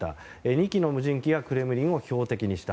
２機の無人機やクレムリンを標的にした。